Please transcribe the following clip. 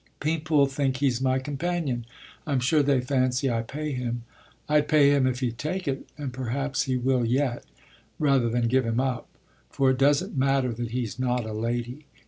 People think he's my 'companion '; I'm sure they fancy I pay him. I'd pay him, if he'd take it and perhaps he will yet! rather than give him up, for it doesn't matter that he's not a lady.